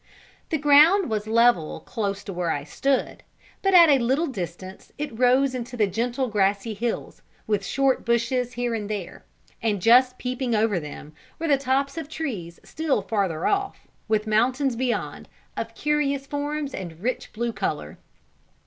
The ground was level close to where I stood, but at a little distance it rose into gentle grassy hills, with short bushes here and there; and just peeping over them, were the tops of trees still farther off, with mountains beyond, of curious forms and rich blue colour.